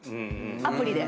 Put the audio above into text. アプリで。